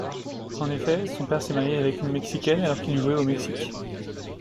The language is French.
En effet, son père s'est marié avec une Mexicaine alors qu'il jouait au Mexique.